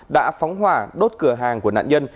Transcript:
đã phóng hỏa đốt cửa hàng của nạn nhân